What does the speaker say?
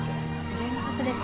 １２月です。